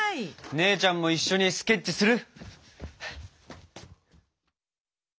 姉ちゃんも一緒にスケッチする？